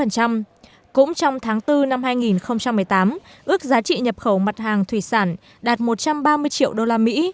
cũng trong tháng bốn năm hai nghìn một mươi tám ước giá trị nhập khẩu mặt hàng thủy sản đạt một trăm ba mươi triệu đô la mỹ